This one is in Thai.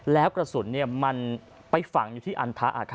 แล้วกระสุนให้ฝังอยู่ที่อันทรัก